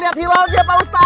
lihat hilal dia pak ustadz